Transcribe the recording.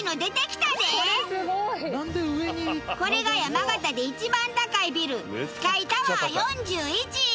これが山形で一番高いビルスカイタワー４１。